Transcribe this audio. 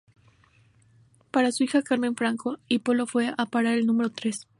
Para su hija Carmen Franco y Polo fue a parar el número tres.